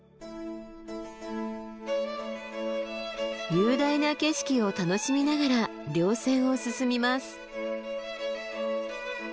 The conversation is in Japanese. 雄大な景色を楽しみながら稜線を進みます。